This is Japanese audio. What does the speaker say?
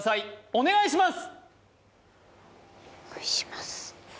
お願いします